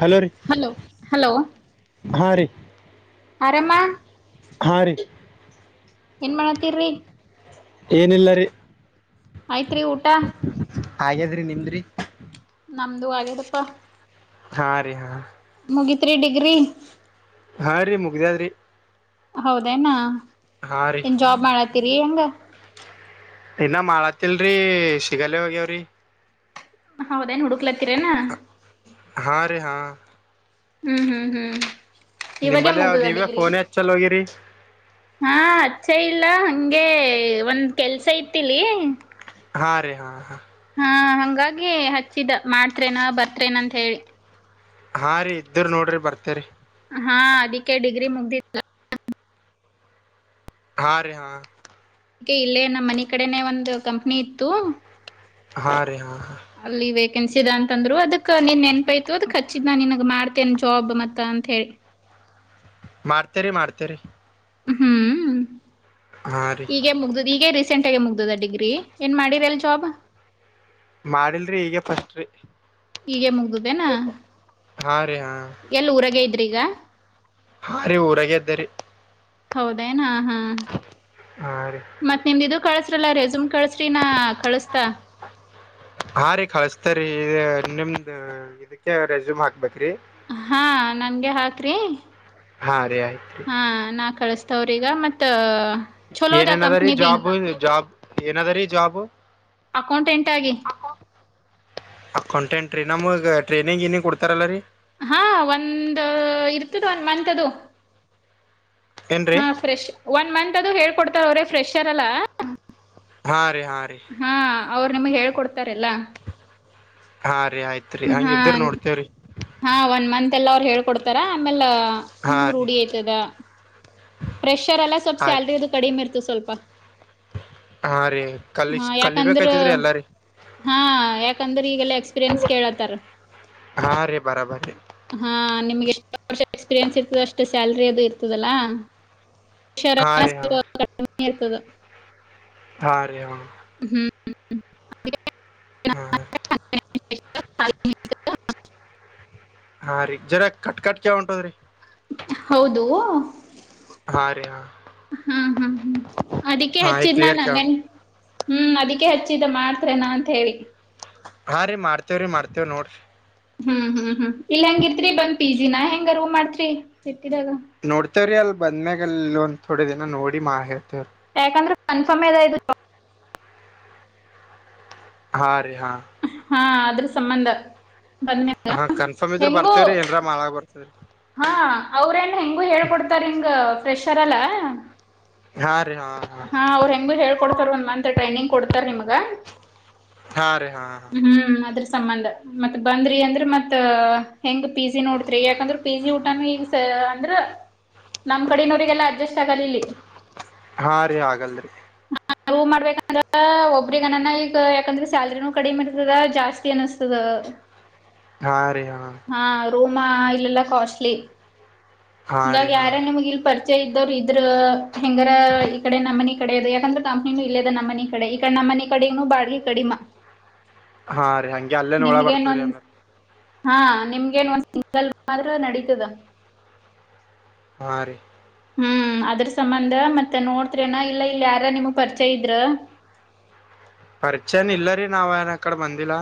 Hello ರೀ ಹಾ ರೀ ಆರಾಮ ಹಾರಿ ಏನ್ ಮಾಡತೀರ್ರಿ ಏನಿಲ್ಲರಿೀ ಆಯ್ತ್ರಿ ಊಟ ಹಾಗೇದ್ರಿ ನಿಮ್ದ್ರಿ ನಮ್ದುುವಗಡಪ್ಪ ಹಾ ರೀ ಹಾ ಮುಗತ್ರಿ ಡಿಗ್ರಿ ಹಾ ರೀ ಮುಗ್ದದ್ರಿ ಹೌದೇನಾ ನ್ ಜಾಬ್ ಮಾಡತ್ತೀರಿ ಹೆಂಗ ಇನ್ನ ಮಾಡತ್ತಲ್ರಿ ಸಿಗಾಲೇ ಹೋಗ್ಯಾವ್ರಿ ಹೌದೇನ್ ಹುಡುಕ್ಲತ್ತೀರೇನಾ ಹ ಹ್ಮ್ ಹ್ಮ್ ಹ್ಮ್ ಇವಾಗ ನಿಂಬಲ್ಲಿ ಮುಗ್ದ ನೀವೇ ಡಿಗ್ರಿ ಫೋನ್ ಹಚ್ಚಲ್ ಹೋಗಿರಿ ಹಾ ಅಚ್ಚ ಇಲ್ಲ ಹಗೆ ಒಂದ್ ಕೆಲ್ಸ ಇತಿಲಿ ಹಾ ರೀ ಹಾ ಹಾ ಹಾ ಹಂಗಾಗಿ ಹಚ್ಚಿದ ಮಾಡ್ತ್ೇನಾ ಬರ್ತ್ೇನ ಅಂತ ಹೇಳಿ ಹಾ ರೀ ಇದ್ರ ನೋಡ್ರಿ ಬರ್ತೆೇರಿ [unintelligible] ಹಾ ಅದಕ್ಕೆ ಡಿಗ್ರಿ ಮುಗ್ದ ಹಾ ರೀ ಹಾ ಅದಕ್ಕೆ ಇಲ್ಲೇ ನಮ್ಮ ಮನ ಕಡೆನೆ ಒಂದು ಕಂಪ್ನಿ ಇತ್ತು ಹಾ ರೀ ಹಾ ಹಾ ಅಲ್ಲಿ ವೇಕೆನ್ಸಿ ಇದ ಅಂತಂದ್ರು ಅದಕ್ ನಿನ್ ನೆನ್ಪೈತ ಅದಕ್ ಹಚ್ಚಿದ್ ನಾ ನಿನ್ಗ್ ಮಾಡ್ತೇನ್ ಜಾಬ್ ಮತ್ತ ಅಂತ ಹೇಳಿ ಮಾಡ್ತೇರಿ ಮಾಡ್ತೇರಿ ಹ್ಮ್ ಹಾ ರೀ ಈಗ ಮುಗ್ದುದು ಈಗ ಸೆಂಟಗ ಮುಗ್ದದ ಡಿಗ್ರಿ ಏನ್ ಮಾಡಿರಲ್ ಜಾಬ್ ಮಾಡಿಲ್ರಿ ಈಗ ಫಸ್ಟ್್ರೀ ಈಗ ಮುಗ್ದುದೇನಾ ಹ ಎಲ್ ಊರಾಗೆ ಇದ್ರಿ ಹಾ ರ ಊರಾಗ ಇದದ್ದರಿ ಹೌದೇನ್ ಹಾ ಹಾ ರೀ ಮತ್ತ ನಿಮ್ದಿದು ಕಳಸ್ರಲ್ಲ ರೆಸುಮ್ ಕಳಸ್ರಿನಾ ಕಳಸ್ತಾ ಹಾ ರೀ ಕಳಸ್ತ್ರೀ ನಿಮ್ದ ಇದಕ್ಕೆ ರೆಸ್ಯೂಮ್ ಹಾಕ್ಬೇಕೇ್ರಿ ಹಾ ನನ್ಗೆ ಹಾತ್ರಿ ಹಾ ರೀ ಆಯ್ತ್ರಿ ಹಾ ನಾ ಕಳಸ್ತಾವ್ರೀಗ ಮತ್ತ ಚಲೋದ ಏನೇನ ಅದಾರೀ ಕಂಪ್ನಿ ಬಿ ಜಾಬ್ ಜಾಬ್ ಏನದ ರೀ ಜಾಬ್ ಅಕೌಂಟೆಂಟ್ ಆಗಿ ್ರ ನಮ ಟ್ರೈನಿಂಗ್ ಏಿಂಗ್ಡ್ತಾರಲ್ಲ ರೀ ಹಾ ಒಂದ ಇರ್ತದ ಒಂದ್ ಮಂತ್ ಅದು ಏನ್ರಿ ಹಾ ಫ್ರೆಶ್ ಒನ್ ಮಂತ್ ಅದು ಹೇಳ್ಕೊಡ್ತಾರ ಅವ್ರೆ ಫ್ರೆಶ್ ಅರಲ್ಲ ಹಾ ರೀ ಹಾ ರೀ ಅವ್ರು ನಿಮ್ಗ್ ಹೇಳ್ಕೊಡ್ತಾರೆಲ್ಲ ಹಾ ರೀ ಆಯ್ತ್ರಿ ಹಂಗಿದ್ರ ನೋಡ್ತೇವ್ರಿ ಹಾ ಒನ್ ಮಂತ್ ಎಲ್ಲ ಅವ್ರು ಹೇಳ್ಕೊಡ್ತಾರ ಆಮೇಲೆ ಹಾ ನಿಮ ರೀ ರೂಢಿ ಆಯ್ತದ ಪ್ರೆಷರ್ ಎಲ್ಲ ಸ್ವಲ್ಪ ಆಯ್ತು ಸ್ಯಾಲ್ರಿ ಅದು ಕಡಿಮೆ ಇ ರ್ತ ಸ್ವಲ್ಪ ಹಾ ರೀ ಕಲ ಹ ಯಾಕಂದ್ರ ಕಲಿಬೇಕಾಯ್ತದ್ರೀ ಎಲ್ಲಾರೀ ಹಾ ಯಾಕಂದ್ರೆ ಈಗೆಲ್ಲಾ ಎಕ್ಸ್ಪೀರಿಯೆನ್ಸ್ ಕೇಳತಾರ ಹಾ ರೇ ಬರಬರ್ ರ ನಿಮಗೆಷ್ಟ ಎಕ್ಸ್ಪೀರಿಯನ್ಸ್ ಇರ್ತದೆ ಅಷ್ಟು ಸ್ಯಲ್ರಿ ಅದು ಇರ್ತದಲ್ಲಾ ಹಾ ಶರಾಣ ರೀ ಹಾ ಸ ಕಟಮ ಏರ್ತದೆ ಹಾ ರೀ ಹಾ ಹ್ಮ್ ಹ್ಮ್್ಮ ಹ್ಮ ಹ ಾಲ ಹಾ ರೀ ಜರ ಕಟ್ ಕಟ್ಕ ಉಂಟದ್ರೀ ಹೌದು ಹಾ ರೀ ಹಾ ಹಾ ಹ್ಮ್ ಹ್ಮ್ ಅದಕ್ಕೆ ಹಾ ಈಗ ಹಚ್ಚಿದ್ನ ಕ್ಲಿಯರ್ ಕೇಳ ನನ್ನನ್ ಹ್ಮ್ ಅದಕ್ಕೆ ಹಚ್ಚಿದ ಮಾಡ್ತೇನಾ ಅಂತ ಹೇಳಿ ಹಾ ರೀ ಮಾಡ್ತೇವ್ರೀ ಮಾಡ್ತೇವ ನೋಡ್ರಿ ಹ್ಮ್ ಹ್ಮ್ ಹ್ಮ್ ಇಲ್ಲ ಹೆಂಗಿತ್ರಿ ಬಂದ್ ಪಿ ಜಿ ನಾ ಹೆಂಗ ಅರು ಮಾಡ್ತ್ರಿ ಇಟ್ಟಿದಾಗ ನೋಡ್ತೇವ್ರಿ ಅಲ್ ಬಂದ್ಮ್ಯಾಗ ಅಲ್ ಒಂದ್ಥೋಡೆ ದಿನ ನೋಡಿ ಮಾ ಹೇಳ್ತೇವ್ರೀ ಯಾಕಂದ್ರ ಕನ್ಫರ್ಮ್್ದು ಹಾ ರೀ ಹಾ ಹಾ ಅದ್ರ ಸಂಬಂಧ ಬಂದ ಹಾ ಕನ್ಫರ್ಮ್ ಇದ್ರ ಹೆಂಗೂ ಬರ್ತೇವ್ರೀ ಏನ್ರ ಮಾಡಳ ಬರ್ತರಿ ಹಾ ಅವ್ರೇನ್ ಹೆಂಗು ಹೇಳ್ಕೊಡ್ತಾರ ಹಿಂಗ ಫ್ರೆಷರ್ಲ್ಲ ಹಾ ರೀ ಹಾ ಹಾ ಅವ್ರು ಹೆಂಗು ಹೇಳ್ಕೊಡ್ತಾರ ಒಂದ್ ಮಂತ್ ಟ್ರೈನಿಂಗ್ ಕೊಡ್ತಾರ ನಿಮ್ಗ ಹಾ ರೀ ಹಾ ಹಾ ಹ್ಮ್ ಅದ್ರ ಸಂಬಂಧ ಮತ್ ಬಂದ್ರಿ ಅಂದ್ರ ಮತ್ ಹೆಂಗ್ ಪಿ ಜ ನೋಡತ್ರಿ ಯಾಕಂದ್ರ ಪಿ ಜಿ ಊಟ ಈ ಅಂದ್ರ ನಮ್ ಕಡವರಿಗೆಲ್ಲ ಅಡ್ಜಸ್ಟ್ ಆಗಲ್ಲ ಇಲ್ಲಿ ಹಾ ರೀ ಹಾಗಗಲ್ರಿ ನವು ಮಾಡ್ಬೇಕಂದ್ರೆ ಒಬ್ಬ್ರಗನನ ಈಗ ಯಾಕಂದ್ರೆ ಸ್ಯಾಲ್ರಿನೂ ಕಡಿಮೆ ಇರ್ತದ ಜಾಸ್ತಿ ಅನ್ನಿಸ್ತದ ಹ ಹಾ ರೀ ಹಾ ರೂಮ ಇಲ್ಲೆಲ್ಲ ಕಾಸ್ಟ್ಲಿ ಹಾ ಹಂಗ ರೀ ಹಾ ಯಾರ ನಿಮಗರ್ ೆ ಇದವ್ರು ಇದ್ರ ಹೆಂಗಾರ ಈ ಕಡೆ ನಮ್ಮ ಮನ ಕಡೆ ಇ ಯಾಕಂದ್ರೆ ಕಂಪ್ನಿನು ಇಲ್ಲೇದ ನಮ್ಮ ಮನ ಕಡೆ ಈಡೆ ಮನೆ ಕಡೆನುೂ ಬಾಲಿ ಕಡಿಮ ಹಾ ರೀ ಹಂಗೆ ಅಲ್ಲೇನೋಳ ನಿಮ್ಗೇನ್ ಬರ್ತವ್ರೀ ಒಂದ್ ಅಂದ ಹಾ ನಿಮ್ಗೇನ್ ಒಂದ್ ಸಿಂಗಲ್ ಮಾತ್ರ ನಡೀತದ ಹಾರಿ ಹ್ಮ್ ಅದ್ರ ಸಂಬಂಧ ಮತ್ತೆ ನೋಡ್ತರಿನ ಇಲ್ಲ ಇಲ್ಲಿ ಯಾರ ನಿಮಗ್ ಪರಿಚಯ ಇದ್ರ [inaudible] ಪರಿಚಯನ ಇಲ್ಲ ರೀ ನಾವ್ ಏನ ಕಡೆ ಬಂದಿಲ್ಲ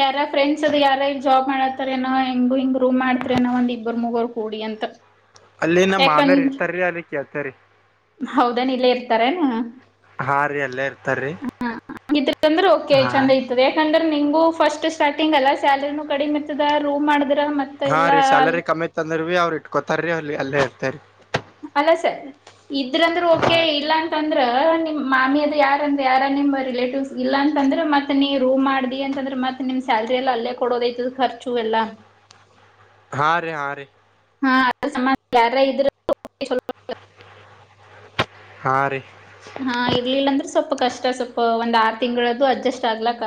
ಯಾರ ಫ್ರೆಂಡ್ಸ್ ಅದ ಯಾರ ಈ ಜಾಬ್ ಮಾಡತಾರಏನೋ ಹೆಂಗ ಹಿಂಗ ರೂ್ ಮಾಡ್ತಾರೆ ಅನೋ ಒಂಡ್ ಇಬ್ಬರು ಮುಗರು ಕೂಡಿಿಯ ಅಲ್ಲಿ ನಮ್ಮ ಮಾಮೇರ್ ಯಾಕಂದ ಇರ್ತಾರ್ರಿ ಅಲ್ಲಿ ಕೇಳ್ತೇವ್ರಿ ಹೌದಾನ ಇಲ್ಲ ಇರ್ ಲ್ಲೆ ಇ ಹಾ ರೀ ಎಲ್ಲಾ ಇರ್ತಾರೀ ಹಂದ್ರೆ ಓಕೆ ಚಂದ ಇತದ ಯಾಕಂದ್ರೆ ನಿಮ್ಗ ಫಸ್ಟ್ ಸಾರ್ಟಿಂಗ್ ಅಲ್ಲ ಸ್ಯಾಲರಿನೂ ಕಡಿಮೆ ಇತ್ತದೆ ರೂ್ ಮಾಡ ಹಾ ರೀ ಸ್ಯಾಲರಿ ಕಮ್ಮಿ ತಂದ್ರ ಭೀ ಅವ್ರರು ಇಟ್ಕೊತಾರ್ರೀ ಅವಲ್ಲಿ ಅಲ್ಲೇ ಇರ್ತೇರಿ ಅಲ್ಲ ಸರ್ ಇದ್ರಂದ್ರ ಹಾ ಕೆ ರೀ ಇಲ್ಲ ಅಂತಂದ್ರ ಮಾಮಿ ಅದ ಯಾರಂದ ಯಾರ ನಿಮ ರಿಲೇಟಿವ್ಸ್ ಇಲ್ಲ ಅಂದ್ರೆ ಮತ್ತತ್ ನೀ ರೂಮ್ ಮಾಡಿ ಅಂತಂದ್ರೆತ್ತತ್ ನಿಮ್ ಸ್ಯಲ್ರಿ ಎಲ್ಲ ಅಲ್ಲೇ ಕೊಡೋದೈ್ತದ ಖರ್ಚು ಎಲ್ಲ ಹಾ ರೀ ಹಾ ರೀ ಹಾ ಅದ್ರ ಯಾರ ಇದ್ರರು ಹಾ ರೀ ಹಾ ಇರ್ಲಿಲ್ಲಂದ್ರೆ ಸ್ವಲ್ಪ ಕಷ್ಟ ಸ್ವಲ್ಪ ಒಂದ್ ಆರು ತಿಂಗಳದ್ದು ಅಡ್ಜಸ್ಟ್ ಆಗ್ಲಕ್ಕ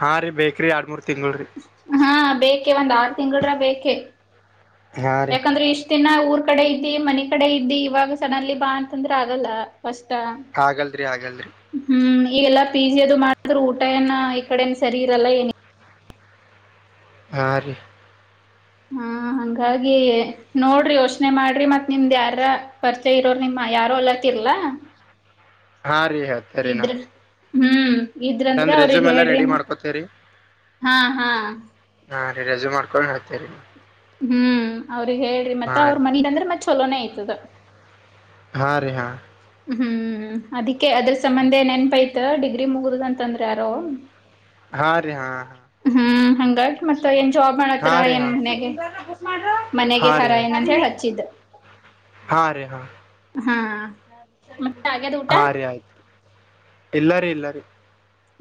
ಹಾ ರೀ ಬೇಕ್ರಿ ಆರ್ಮರ್ ತಿಂಗಳ ರೀ ಹಾ ಬೇಕೆ ಒಂದ್ ಆರು ತಿಂಗಳರ ಬೇಕೆ ಹಾ ರೀ ಯಾಕಂದ್ರೆ ಇಷ್ಟ ದಿನ ಊರ್ ಕಡೆ ಇದ್ದಿ ಮನೆ ಕಡೆ ಇದ್ದಿ ಇವಾಗ ಸಣ್ಣಲ್ಲಿ ಬಾ ಅಂತಂದ್ರೆ ಆಗಲ್ಲ ಕಷ್ಟ ಆಗಲ್ರಿ ಆಗಲ್ರಿ ಹ್ಮ ಈ ಎಲ್ಲಾ ಪಿಜಿ ಅದು ಮಾಡಿದ್ರರು ಊಟನ ಈ ಕಡೆ ಸರಿ ಇರಲ್ಲ ಏನ ಹಾ ರೀ ಹಾ ಹಂಗಾಗಿ ನೋಡ್ರಿ ಯೋಚ್ನೆ ಮಾಡ್ರಿ ಮತ್ ನಿಮ್ದ್ ಯಾರ ಪರಿಚಯ ಇರೋ ನಿಮ್ ಯಾರೋ ಎಲ್ಲತ್ತರ್ಲ ಹಾ ರೀ ಹೇಳ್ತರಿೀನಾ ಹ್ಮ್ ಇದ್ರಂದ್ರೆ ಅವ್ರಗ್ ಹೇಳ್ರಿ ಮತ್ತ ಮಾಡ್ಕೋತೇರಿ ಹಾ ಹಾ ಹಾ ರೀ ರೆಸ್ಯಮ್ ಮಾಡ್ಕೊಂಡು ಹೇಳ್ೇ ರೀ ಹ್ಮ್ ಅವ್ರ ಹೇಳ್ರಿ ಮತ್ರ ಅವ್ರ ಮನಲಿ ಅಂದ್ರೆ ಮತ್ತತ್ ಚಛಲೋನನೆ ಆಐ್ತ ದು ಹಾ ರೀ ಹಾ ಹ್ಮ್ ಅದಕ್ಕೆ ಅದ್ರ ಸಂಬಂಧ ನೆನ್ಪೈತ್ ಡಿಗ್ರಿ ಮುಗುದಂತಂದ್ರ ಯಾರೋ ಹಾ ರೀ ಹಾ ಹ್ಮ್ ಹಾಗಿ ಮತ್ತ ಜವಾಬ್ ಹಾ ಮಾಡತ್ರರ ರೀ ಏನ್ ಹಾ ಮನೆಗೆ ಮನೆಗೆ ಹಾ ರೀ ಹರ ಆಯ್ತು ಏನ್ ಅಂದ ಹೇಳ ಹಚ್ಚಿದ್ದ ಹಾ ರೀ ಹಾ ಹಾ ಮತ್ತೆ ಆಗ್ಯದ ಊಟ ಹಾ ರೀ ಆಯ್ತು ಇಲ್ಲರಿೀ ಇಲ್ಲರಿೀ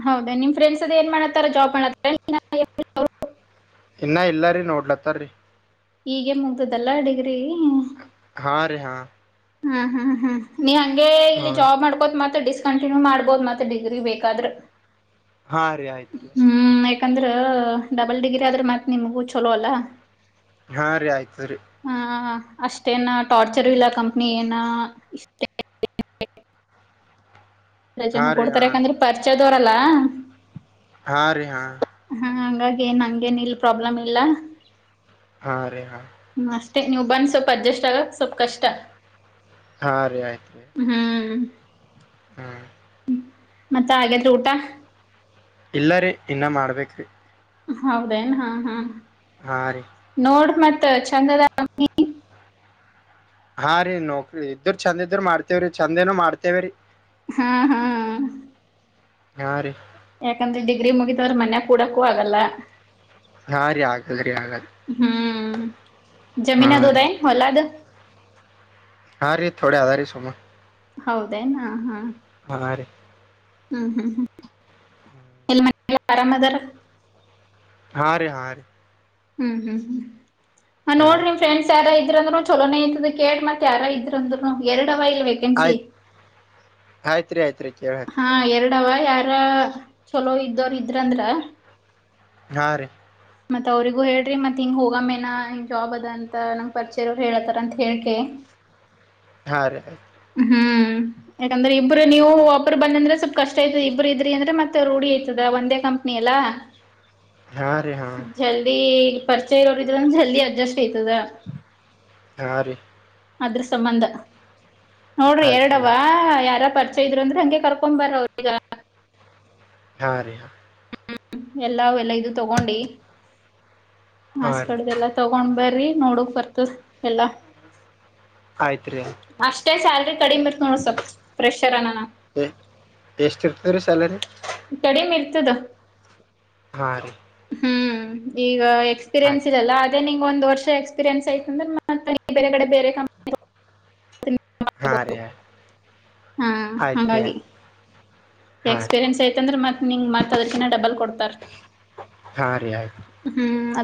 ಹೌದಾ ನಿಮ್ ಫ್ರೆಂಡ್ಸ್ ಅದ ಏನ್ ಮಾಡತ್ತಾರ ಜಾಬ್ ಮಾಡ ಇನ್ನ ಇಲ್ಲಾರಿರಿ ನೋಡ್ಲತ್ತರಿ ಈಗ ಮುಗ್ದದಲ್ಲ ಅಡಗ್ರಿ ಹಾ ರೀ ಹಾ ಹ್ಮ್ ಹ್ಮ್ ಹ್ಮ್ ನೀವ ಹಂಗೆ ಹಾ ಇಲ್ಲಿ ಜಾಬ್ ಮಾಡ್ಕೋತ್ ಮತ್ತ ಡಿಸ್ಕ್ ಕಂಟಿನ್ಯೂ ಮಾಡ್ಬೋದು ಮತ್ತೆ ಡಿಗ್ರಿ ಬೇಕಾದ್ರೆ ಹಾ ರೀ ಆಯ್ತ್ರಿ ಯಾಕಂದ್ರ ಡಬಲ್ ಡಿಗ್ರಿ ಆದ್ರ ಮತ್ ನಿಮಗೂ ಚಲೋ ಅಲ್ಲ ಹಾ ರೀ ಆಯ್ತು ರೀ ಹಾ ಅಷ್ಟೇನ ಟಾರ್ಚರ್ ಇಲ್ಲ ಕಂಪ್ನಿ ಏನಷ್ಟ ಎ ಹಾ ಜನ ರೀ ಹಾ ಕೊಡ್ತಾರೆ ಯಾಕಂದ್ರೆ ಪರಿಚಯ ದೋರಲ್ಲ ಹಾ ರೀ ಹಾ ಹಂಗಾಗಿ ಏನ್ ಹಂಗೇನ್ ಇಲ್ ಪ್ರಾಬ್ಲಮ್ ಇಲ್ಲ ಹಾ ರೀ ಹಾ ಮ ನೀವು ಬಂದು ಸ್ವಲ್ಪ ಅಡ್ಜಸ್ಟ್ ಆಗಕ್ ಸ್ವಲ್ಪ ಕಷ್ಟ ಹಾ ರೀ ಆಯ್ತ್ ರರಿ ಹ್ಮ್ ಹ್ಮ್ ಮತ್ತ ಹಾಗಾದ್ರೆ ಊಟ ಇಲ್ಲ ರರಿ ಇನ್ನ ಮಾಡ್ಬೇಕ್ರಿ ಹೌದೇನ್ ಹಾ ಹಾ ಹಾ ರೀ ನೋಡ್ ಮತ್ತೆ ಚಂದದ ಹಾ ರೀ ನೋಕ್ರಿ ಇದರು ಚೆಂದ ಇದ್ರ ಮಾಡ್ತೇವ್ರಿ ಚಂದೇನ ಮಾಡ್ತೇವ್ರೀ ಹಾ ಹಾ ಆರು ಗ್ರರಿ ಮುಗಿದವರು ಮನ್ಯ ಕೂಡಕೂ ಆಗಲ್ಲ ಹಾ ರೀ ಆಗಲ್ರಿ ಆಗಲ್ ಹ್ಮ್ ಹಾ ರೀ ಜಮೀನದುದ ಹೊಲದ ಹಾ ರೀ ಥೋಡೆ ಆಧ ರೀ ಸುಮ್ಮ ಹೌದೇನಾ ಹಾ ಹಾ ರೀ ಹ್ಮ್ ಹ್ಮ್ ಹ್ಮ್ ಎಲ್ಲಿ ಆರಾಮದರ ಹಾ ರೀ ಹಾ ರೀ ಹ್ಮ್ ಹ್ಮ್ ಹ್ಮ್ ಹ ಹಾ ನೋಡ್ರಿ ರೀ ನಿಮ್ ಫ್ರೆಂಡ್ಸ್ ಯಾರ್ ಇದ್ರಂದ್ರರು ಚಲನೇ ಇಂತ ಕೇಡ್ ಮತ್ತ ಯಾರ ಇದ್ರಂದ್ರು ಎರಡು ಇ ವೇಕೆನ್ಸಿ ಆಯ್ತ್ ಆಯ್ತ್ ರೀ ಆಯ್ತ್ ರೀ ಕೇಳ ಆಯ್ತ್ ಹ ಎರಡ ಯಾರ ಚಲೋ ಇದ್ದವರು ಇದ್ರಂದ್ರ ಹಾ ರೀ ಮತ್ ಅವ್ರರಿಗೂ ಹೇಳ್ರಿ ಮತ್ ಹಿಂಗ್ ಹೋಗ ಮೇನಾ ಹಿಂಗ್ ಜಾಬ್ ಅದ ಅಂತ ನಂಗ ಪರಿಚಯರ ಅವರು ಹೇಳತಾರ ಅಂತ ಹೇಕ ಹಾ ರೀ ಹ್ಮ್ ಯಾಕಂದ್ರೆ ಇಬ್ರು ನೀವು ಒಬ್ರು ಬನ್ನಂದ್ರೆ ಸ್ವಲ್ಪ ಕಷ್ಟ ಆಯತದ ಇಬ್ಬರು ಇದ್ರಿ ಅಂದ್ರೆ ಮತ್ತೆ ರೂಢಿ ಆಐತದ ಒಂದೇ ಕಂಪ್ನಿ ಎಾ ಹಾ ರೀ ಹಾ ಪರಿಚಯ ಇರೋರು ಇದ್ರ ಜಲ್ದಿ ಅಡ್ಜಸ್ಟ್ ಐ್ತದ ಹಾರಿ ಅದ್ರ ಸಂಬಂಧ ನೋಡ್ರಿ ಆಯ್ತ್ ಎರಡವ ಯಾರ ಪರ್ಚ ಇದ್ರು ಅಂದ್ರೆ ಹಂಗೆ ಕರ್ಕೊ್ ಬರ್ರ ಅವ್ರೀಗ ಹಾ ರಾ ಹ್ಮ್ ಎಲ್ಲ ಎಲ್ಲ ಇದು ತಗೊಂಡಿ ಆಸ್ ಕಡ್ದಲ್ಲ ತಗೊಂಡ್ ಬರಿ ನೋಡಕ್ ಬರ್ತದ ಎಲ್ಲಾ ಆಯ್ತ್ ಹಾ ರೀ ಹಾ ಹಾ ರೀ ಆಯ್ತ್ ರೀ ಅಷ್ಟೇ, ಸಲ್. [inaudible] ಕಡಿಮೆ ಬರ್ತ ನೋಡ ಸ್ವಲ್ ಪ್ರಫ್ರೆಷರ್ ಅನಾನ ಎಷ್ಟ ಇರ್ತದ್ರಿ ಸ್ಯಾಲರಿ ನಿಿರ್ತದು ಹಾ ರೀ ಹ್ಮ್ ಈಗ ಎಕ್ಸ್ಪೀರಿಯನ್ಸ್ ಆಯ್ತ್ ಇದೆಲ್ಲ ಅದೇ ನಿ ಒಂದ ವರ್ಷ ಎಕ್ಸ್ಪೀರಿಯೆನ್ಸ್ ಯತಂದ್ರೆ ಮ ಬೇರೆ ಕಡೆ ಬೇರೆ ಕಂಪ್ನಿ ಹಾ ರೀ ಹಾ ಆಯ್ತ್ ರೀ ಹಾಗಾಗಿ ಹಾ ರೀ ಎಕ್ಸ್ಪೀರಿಯೆನ್ಸ್ ಐತಂದ್ರೆ ಮತ್ ನಿಂ್ ಮತ್ತತ್ ಅದಕಿನ್ನ ಡಬಲ್ ಕೊಡ್ತಾರ ಹಾ ರಯ್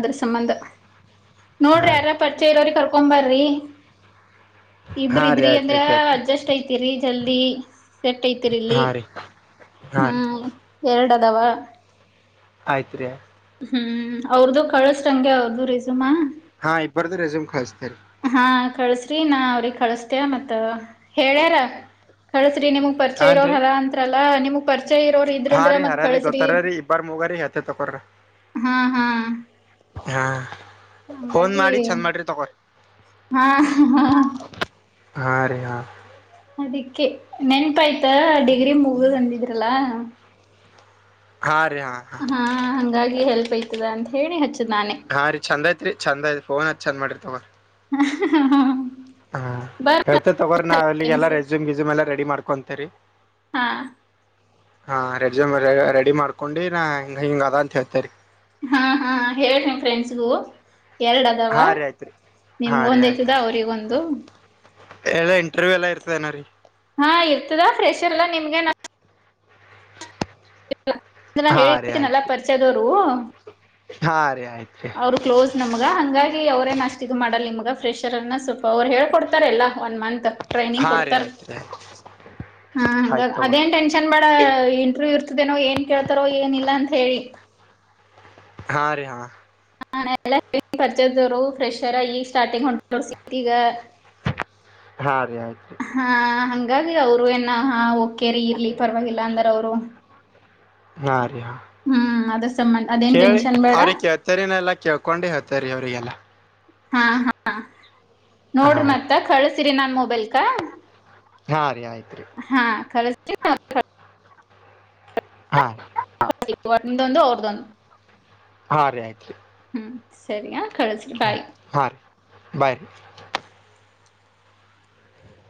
ಇದ, ಸಂಬಂಧ ಹಾ ನೋಡ್ರಿ ಯಾರ ರೀ ಪರಿಚಯ ಇರೋರು, ಕರ್ಕೊ ಬರ್ರಿ! [inaudible] ಇಬ್ರ, ಹಾ ರೀ ಇದ್ರಿ, ಆಯ್ತ್ ಅಂದ್ರ ರೀ ಕೇಳ್ತ ಅಡ್ಜಸ್ಟ್ ಐತಿರಿ ಜಲ್ದಿ! [inaudible] ಸೆಟ್, ಐತಿರಿಲ್ಲಿ. ಹಾ [inaudible] ರೀ ಹಾ, ರಿ. [inaudible] ಎರಡದವ. [inaudible] ಆಯ್ತ್ರಿ. [inaudible] ಹ್ಮ್, ಅವ್ರದು ಕಳಸ್ಂಗೆ! ಅವ್ರದು, ರೆಸುಮಹಾ. [inaudible] ಹಾ, ಇಬ್ಬರದು ರೆಸಿಮ್, ಕಳಿಸ್ತಾ ಇರಿ. [inaudible] ಕಳ್ಸ್ರಿ, ನಾ ಅವ್ರಿಗೆ ಕಳಸ್ತೇ! ಮತ್ತ ಹೇಳ್ಯಾರ ಕಳ್ಸ? [inaudible] ೀ ನಿಮಗ್ ಪರಿಚಯ ಇರೋ ಹಾನ್ ರೀ ಅರಾ ಅಂತ್ರಲ್ಲಾ ನಿಮಗ್ ಪರಿಚಯ ಇರೋರು, ಇದ್ರ ಅಂದ್ರ ಮತ್ ಕಳಸ್ರಿ. [inaudible] ಇದೇ, ತಕೋರಿ. [inaudible] ಹಹಾ. [inaudible] ಹಾ, ಫೋನ್ ಮಾಡಿ! ಚಂದ ಮಾಡ್ರಿ ತಗೋ. [inaudible] ಹಾ ಹಾ ಹಾ, ರೀ, ಹಾ. [inaudible] ಅದಿಕ್ಕೆ, ನೆನಪಾಯ್ತು, ಡಿಗ್ರಿ ಮುಗುದ್ ಅಂದಿದ್ರಲ್ಲ? [inaudible] ಹಾ. [inaudible] ಹಾ, ಹಂಗಾಗಿ ಹೆಲ್ಪ್ ಐತದ ಅಂತ ಹೇಳಿ ಹಚ್ಚ? [inaudible] ಹಾ, ರೀ ಚಂದ ಐತ್ರಿ! ಚಂದ ಐತ್, ಪೋನ್, ಚಂದ ಮಾಡ್ರರಿ, ತಾಕೋ. [inaudible] [unintelligible] [inaudible] ಹಾ, ಬರ್ ತ, ತಕೋರಿ, ರೆಸುಮು, ಗೆಸುಮ್ ಎಲ್ಲಾ ರೆಡಿ, ಮಾಡ್ಕೊಂತೇರಿ? [inaudible] ಹಾ. [inaudible] ಹಾ, ರೆಸುಮ್, ರೆಡಿ ಮಾಡ್ಕೊಂಡಿ! ನಾ, ಹಿಂಗ, ಅದ ಅಂತ ಹೇಳ್ತೇರಿ? [inaudible] ಹಾ, ಹಾ, ಹೇಳೀ, ನಿಮ್, ಫ್ರೆಂಡ್ಸ್ಗೂ. [inaudible] ಎರಡು, ಅದಾವ, ಹಾ ರೀ ಆಯ್ತ್ರಿ ನಿಮಗೊಂದು, ಅವರಿಗೊಂದು? [inaudible] ಎಲ್ಲಾ, ಇಂಟರ್ವ್ಯೂ, ಎಲ್ಲಾ ಇರ್ತದೆನು, ರೀ. [inaudible] ಹಾ, ಇರ್ತದ ಫ್ರೆಷರ್ಲ್ಲಾ ನಿಮ್ಗೆ, ನಾನು. [inaudible] ಆ ನಾನು, ಹಾ ರೀ ಹೇಳುಥಿನಿಯಲ್ಲ, ಎಲ್ಲಾ ಆಯ್ತ್ರಿ ಪರಿಚಯದವರು? [inaudible] ಹಾ, ರೀ. [inaudible] ಅವರು, ಕ್ಲೋಸ್ ನಮ್ಗ! ಹಂಗಾಗಿ ಅವ್ರೇನ್ ಅಷ್ಟು,, ಇದಗ ಮಾಡಲ್ ನಿಮ್ಗ? [inaudible] ಫ್ರೆಶರ್ನಾ, ಸ್ವಲ್ಪ ಅವ್ರು ಹೇಳ್ಕೊಡ್ತಾರೆ ಎಲ್ಲ ಒನ್ ಮಂತ್? [inaudible] ಹಾ, ರೀ ಆಯ್ತು, ಆಯ್ತು. [inaudible] ಹಾ, ಹ, ಅದೇನ್ ಟೆನ್ಷನ್! ಬೇಡ ಇಂಟ್ರವ್ಯ್ ಇರ್ತದೇನೋ, ಏನ್ ಕೇಳ್ತಾರೋ ಏನಿಲ್ಲ ಅಂತ? [inaudible] ಹೇಳಿ? [inaudible] ಹಾ, ರೀ, ಹಾ. [inaudible] ನಾನೇ, ಎಲ್ಲ ಹೇಳ ಪರಿಚವರು, ಫ್ರೆಷರ್ ಈ ಸ್ಟಾರ್ಟಿಂಗ್, ಹೊಂಸತಿ ಈಗ. [unintelligible] ಹಾ. [inaudible] ಹಾ, ಹಂಗಾಗಿ ಅವರು! ಏನ ಕೇರಿ ಇರ್ಲಿ ಪರವಾಗಿಲ್ಲ, ಅಂದ್ರ ಅವ್ರು. [inaudible] ಹಾ, ರಿ, ಹಾ, ಅದ್ರ ಸಂಬಂಧ ಅದೇನ್ ಕೇಳಿ ಟೆನ್ಷನ್ ಬೇಡ ಅವ್ರಿಗೆ ಕೇಳ್ತರಿನ! ಎಲ್ಲಾ ಕೇಳ್ಕೊಂಡು ಹೇಳ್ತರಿ. [inaudible] ಕೇಳೂರಿ, ಎಲ್ಲಾ? [inaudible] ಹಾ, ಹಾ, ಹಾ ನೋಡ್ರಿ! ರೀ ಮತ್ತ ಕಳ್ಸರಿ ನನ್, ಮೊಬೈಲ್ಗೆ. ಹಾ ರೀ ಆಯ್ತು ರೀ [inaudible] ಹಾ, ಕಳಿಸ್ತೀನಿ. [unintelligible] ಹಾ. [inaudible] ಒಂದೊಂದು, ಅವರುಧ್ಯೊಂಧು. [unintelligible] ಹಾ, ರೀ ಆಯ್ತ್ರಿ. [inaudible] ಹ್ಮ, ಸರಿಯಾ, ಕಳಿಸಿ ಬಾಯ್. [inaudible] ಬೈ ರಿ. [inaudible]